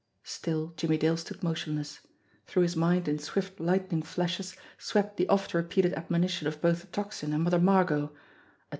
Still Jimmie Dale stood motionless. Through his mind in swift, lightning flashes swept the oft repeated admonition of both the Tocsin and Mother Margot.